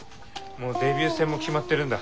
もうデビュー戦も決まってるんだ。